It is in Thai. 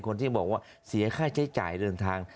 คนที่บอกว่าเสียค่าใช้จ่ายเดินทาง